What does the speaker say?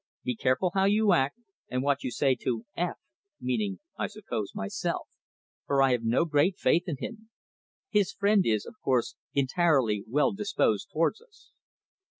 Be careful how you act, and what you say to F," (meaning, I suppose, myself), "for I have no great faith in him. His friend is, of course, entirely well disposed towards us."